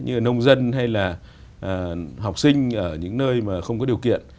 như là nông dân hay là học sinh ở những nơi mà không có điều kiện